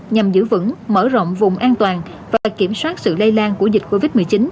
nhằm giữ vững mở rộng vùng an toàn và kiểm soát sự lây lan của dịch covid một mươi chín